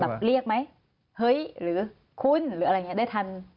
เรียกไหมเฮ้ยหรือคุณหรืออะไรอย่างนี้ได้ทัน